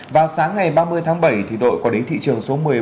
vào sáng ngày ba mươi tháng bảy đội có đến thị trường xuất sắc